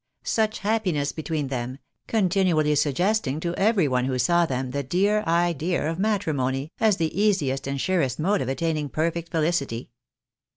Such happiness between them ! continually suggest ing to every one who saw them the dear idea of matrimony, as the easiest and surest mode of attaining perfect felicity